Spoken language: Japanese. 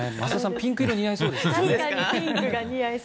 ピンク色似合いそうですね。